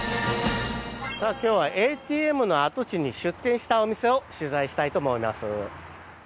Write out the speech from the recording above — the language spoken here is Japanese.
今日はＡＴＭの跡地に出店したお店を取材したいと思います。